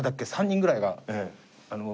３人ぐらいが。